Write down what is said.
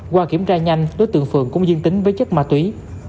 qua kiểm tra nhanh đối tượng phượng cũng dương tính với chất ma túy